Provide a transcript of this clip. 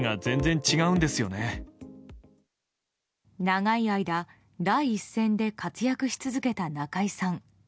長い間、第一線で活躍し続けた中居さん。